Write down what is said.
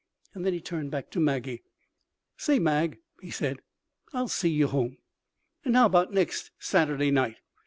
And then he turned back to Maggie. "Say, Mag," he said, "I'll see you home. And how about next Saturday night?